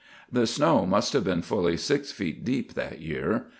"The snow must have been fully six feet deep that year.